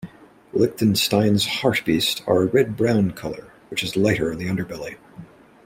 Lichtenstein's hartebeest are a red brown colour, which is lighter on the underbelly.